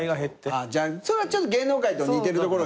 それはちょっと芸能界と似てるところだね。